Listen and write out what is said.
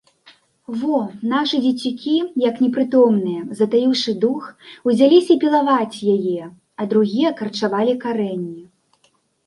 Во, нашы дзецюкі, як непрытомныя, затаіўшы дух, узяліся пілаваць яе, а другія карчавалі карэнні.